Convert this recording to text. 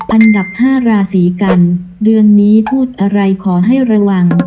อันดับ๕ราศีกันเดือนนี้พูดอะไรขอให้ระวัง